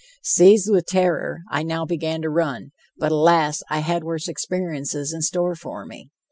Seized with terror, I now began to run, but, alas, I had worse experiences in store for me.